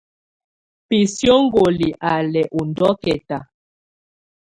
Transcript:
Bisióŋgoli á lɛ ɔ ndɔkɛta.